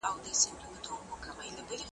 د کلو خمار وهلي تشوي به پیالې خپلي .